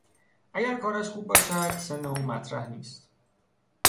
اگر کارش خوب باشد سن او مطرح نیست.